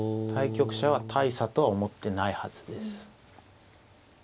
対局者は大差とは思ってないはずです。